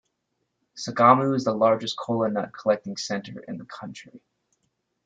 Sagamu is the largest kola nut collecting center in the country.